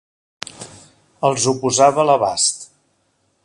Els ho posava a l'abast.